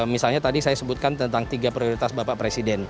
misalnya tadi saya sebutkan tentang tiga prioritas bapak presiden